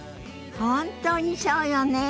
本当にそうよね。